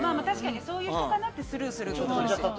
確かにそういう人かなってスルーすると思うし。